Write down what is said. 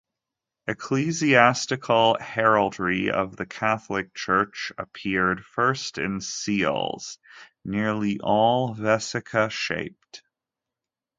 Ecclesiastical heraldry of the Catholic Church appeared first in seals, nearly all vesica-shaped.